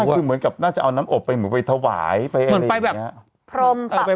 คือเหมือนกับน่าจะเอาน้ำอบไปเหมือนไปถวายไปอะไรอย่างนี้